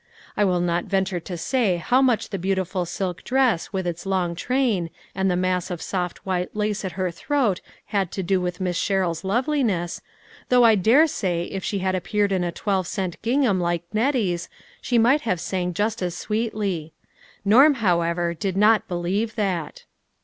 I will not venture to say how much the beautiful silk dress with its long train, and the mass of soft white lace at her throat had to do with Miss Sherrill's loveliness, though I daresay if she had appeared in a twelve cent gingham like Nettie's, she might have sang just as sweetly. Norm, however, did not believe that.